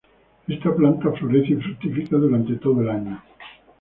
Esta planta florece y fructifica durante todo el año.